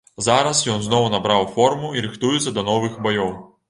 Зараз ён зноў набраў форму і рыхтуецца да новых баёў.